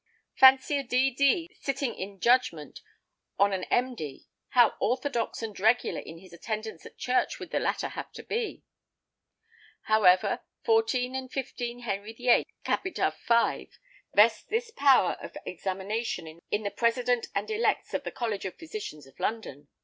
Fancy a D.D. sitting in judgment on an |9| M.D. How orthodox and regular in his attendance at church would the latter have to be! However, 14 & 15 Henry VIII. cap. 5, vests this power of examination in the President and Elects of the College of Physicians of London.